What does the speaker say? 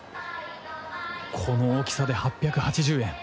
この大きさで８８０円。